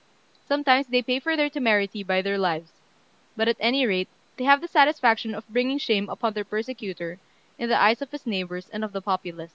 Sometimes they pay for their temerity by their lives; but, at any rate, they have the satisfaction of bringing shame upon their persecutor, in the eyes of his neighbours and of the populace.